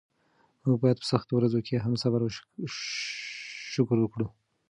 موږ باید په سختو ورځو کې هم صبر او شکر وکړو.